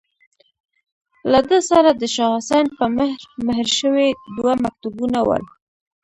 له ده سره د شاه حسين په مهر، مهر شوي دوه مکتوبونه ول.